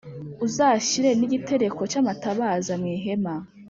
Uzashyire n’ igitereko cy’ amatabaza mw’ ihema